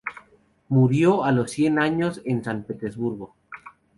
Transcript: Murió a los cien años en San Petersburgo.